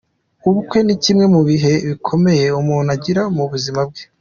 Ubukwe ni kimwe mu bihe bikomeye umuntu agira mu buzima bwe.